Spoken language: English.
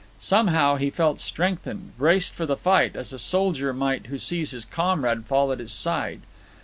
Somehow he felt strengthened, braced for the fight, as a soldier might who sees his comrade fall at his side.